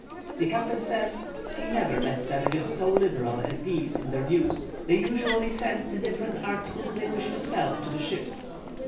The captain says: "We never met savages so liberal as these in their views. They usually sent the different articles they wished to sell to the ships.